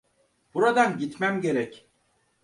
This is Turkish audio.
Buradan gitmem gerek.